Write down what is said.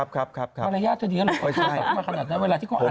แกล้วมาขนาดนั้นเวลาที่ก็อ่าน